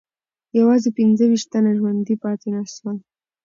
یوازې پنځه ویشت تنه ژوندي پاتې نه سول.